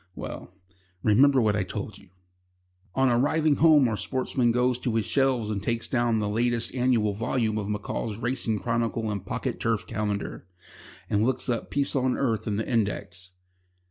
"Well, remember what I told you...." On arriving home our sportsman goes to his shelves and takes down the last annual volume of M'Call's Racing Chronicle and Pocket Turf Calendar, and looks up Peace on Earth in the index.